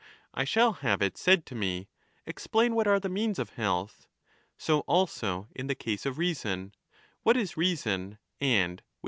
I shall have it said to me, ' Explain what are the means of health.' 10 So also in the case of reason, * What is reason and which is right reason